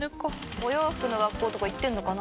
お洋服の学校とか行ってるのかな？